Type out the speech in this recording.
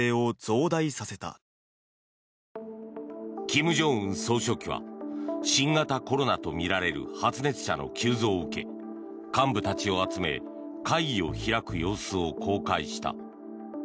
金正恩総書記は新型コロナとみられる発熱者の急増を受け幹部たちを集め会議を開く様子を公開した。